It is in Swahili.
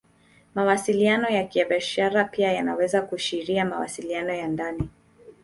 Mawasiliano ya Kibiashara pia yanaweza kuashiria mawasiliano ya ndani.